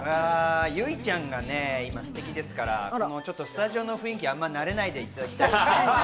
有以ちゃんがステキですから、スタジオの雰囲気にあまり慣れないでいただきたい。